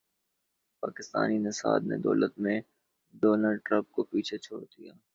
پاکستانی نژاد نے دولت میں ڈونلڈ ٹرمپ کو پیچھے چھوڑ دیا